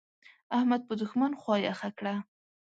احمد په دوښمن خوا يخه کړه.